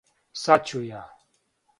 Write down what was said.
Сад ћу ја.